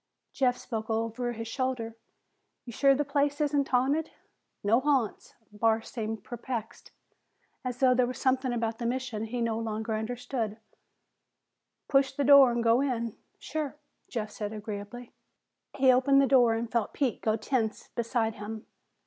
Jeff spoke over his shoulder. "You sure the place isn't haunted?" "No ha'nts." Barr seemed perplexed, as though there was something about the mission he no longer understood. "Push the door an' go in." "Sure," Jeff said agreeably. He opened the door and felt Pete go tense beside him.